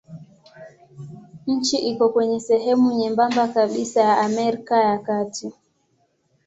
Nchi iko kwenye sehemu nyembamba kabisa ya Amerika ya Kati.